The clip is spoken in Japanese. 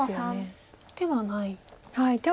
手はないと。